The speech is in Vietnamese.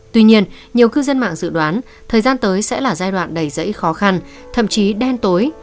tuy nhiên nhiều cư dân mạng dự đoán thời gian tới sẽ là giai đoạn đầy dãy khó khăn thậm chí đen tối